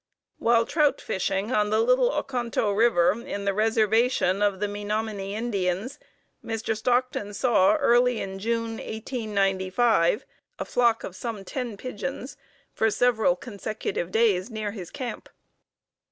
While trout fishing on the Little Oconto River in the Reservation of the Menominee Indians, Mr. Stockton saw, early in June, 1895, a flock of some ten pigeons for several consecutive days near his camp.